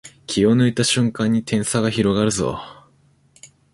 気を抜いた瞬間に点差が広がるぞ